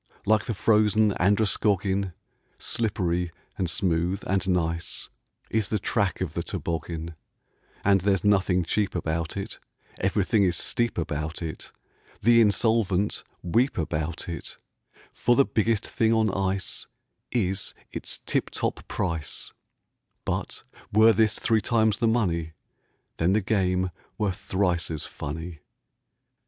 Like the frozen Androscoggin, Slippery, and smooth, and nice, Is the track of the toboggan; And there's nothing cheap about it, Everything is steep about it, The insolvent weep about it, For the biggest thing on ice Is its tip top price; But were this three times the money, Then the game were thrice as funny.